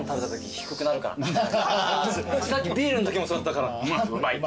さっきビールんときもそうだったから。